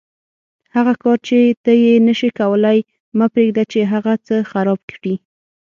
هغه کار چې ته یې نشې کولای مه پرېږده چې هغه څه خراب کړي.